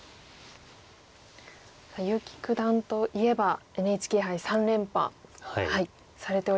結城九段といえばＮＨＫ杯３連覇されております。